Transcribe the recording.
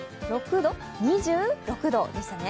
２６度でしたね。